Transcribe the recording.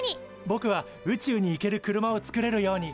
ぼくは「宇宙に行ける車を作れるように」。